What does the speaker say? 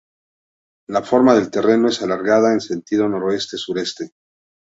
La forma del terreno es alargada en sentido noroeste-sureste.